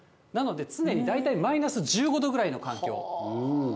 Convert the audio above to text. なので常に大体マイナス１５度ぐらいの環境。